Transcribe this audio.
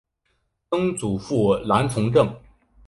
曾祖父兰从政。